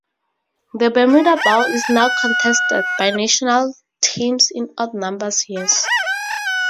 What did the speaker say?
The Bermuda Bowl is now contested by national teams in odd-number years.